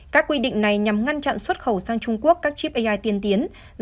các quy định này nhằm ngăn chặn xuất khẩu sang trung quốc các chip ai tiên tiến